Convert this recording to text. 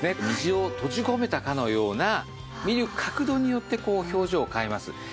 虹を閉じ込めたかのような見る角度によってこう表情を変えます。